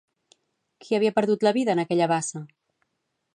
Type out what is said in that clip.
Qui havia perdut la vida en aquella bassa?